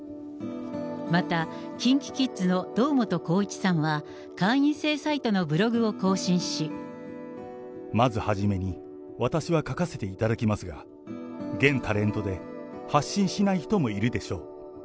またＫｉｎＫｉＫｉｄｓの堂本光一さんは、まず初めに、私は書かせていただきますが、現タレントで、発信しない人もいるでしょう。